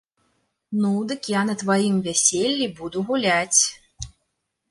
Ну, дык я на тваім вяселлі буду гуляць.